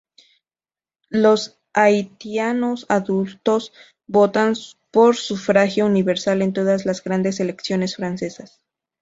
Los tahitianos adultos votan por sufragio universal en todas las grandes elecciones francesas.